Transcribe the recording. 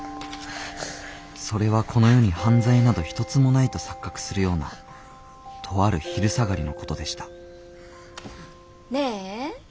それはこの世に犯罪など一つもないと錯覚するようなとある昼下がりのことでしたねえ